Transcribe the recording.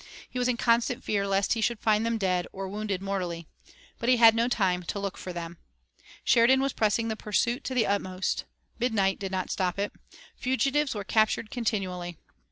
He was in constant fear lest he should find them dead, or wounded mortally. But he had no time to look for them. Sheridan was pressing the pursuit to the utmost. Midnight did not stop it. Fugitives were captured continually.